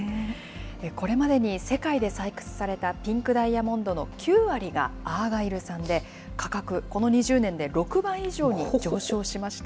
これまでに世界で採掘されたピンクダイヤモンドの９割がアーガイル産で、価格、この２０年で６倍以上に上昇しました。